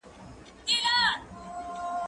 ايا ته سبزیجات تياروې